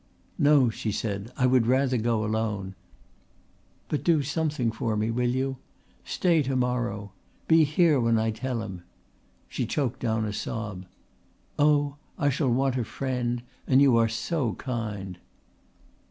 "No," she said. "I would rather go alone. But do something for me, will you? Stay to morrow. Be here when I tell him." She choked down a sob. "Oh, I shall want a friend and you are so kind."